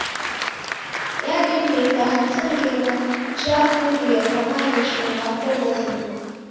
Yadimika hata ngera jakurie kwa maghesho ghako w'oruw'u.